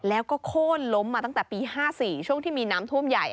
แล้วก็โค้นล้มมาตั้งแต่ปี๕๔ช่วงที่มีน้ำท่วมใหญ่